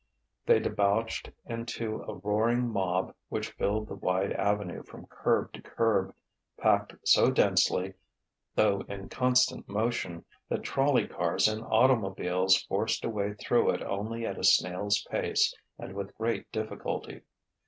They debouched into a roaring mob which filled the wide avenue from curb to curb, packed so densely, though in constant motion, that trolley cars and automobiles forced a way through it only at a snail's pace and with great difficulty.